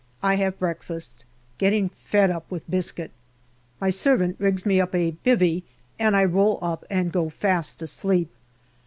I have breakfast. Getting fed up with biscuit. My servant rigs me up a " bivvy " and I roll up and go fast asleep.